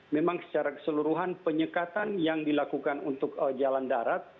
memang secara keseluruhan penyekatan yang dilakukan untuk jalan darat